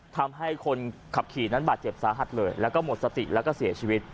ทำให้คนขับขี่นั้นบาดเจ็บสาหัสเลยแล้วก็หมดสติแล้วก็เสียชีวิต